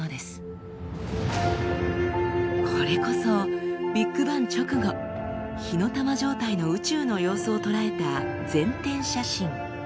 これこそビッグバン直後火の玉状態の宇宙の様子を捉えた全天写真。